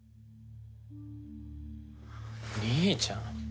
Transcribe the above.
兄ちゃん。